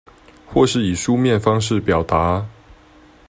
或是以書面方式表達